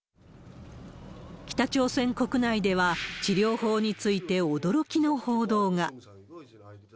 北朝鮮国内では、治療法について驚きの報道が。